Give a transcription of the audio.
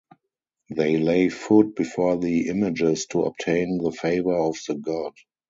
They lay food before the images to obtain the favor of the god.